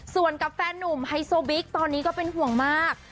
ส่วนกับแฟนนุ่มไฮโซบิ๊กตอนนี้ก็เป็นห่วงมาก